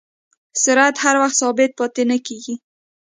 سرعت هر وخت ثابت پاتې نه کېږي.